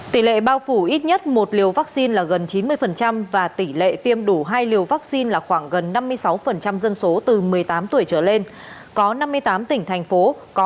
tỷ lệ bao phủ ít nhất một liều vaccine là gần chín mươi và tỷ lệ tiêm đủ hai liều vaccine là khoảng gần năm mươi sáu dân số